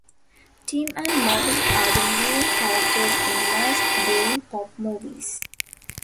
Tim and Moby are the main characters in most BrainPop movies.